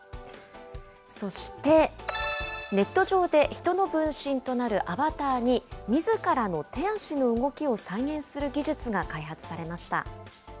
そして、ネット上で人の分身となるアバターに、みずからの手足の動きを再現する技術が開発されました。